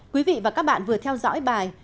quý vị và các bạn vừa theo dõi bài